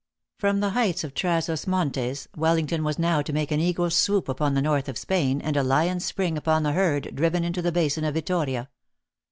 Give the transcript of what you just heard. From the heights of Traz os Montes, Wellington was now to make an eagle s swoop upon the north of Spain, and a lion s spring upon the herd, driven into the basin of Vittoria.